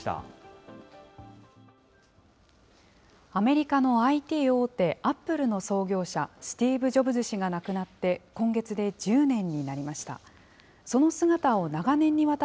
アメリカのＩＴ大手、アップルの創業者、スティーブ・ジョブズ氏が亡くなって、今月で１０年になりました。